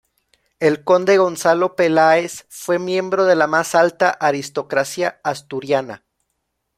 El conde Gonzalo Peláez fue miembro de la más alta aristocracia asturiana.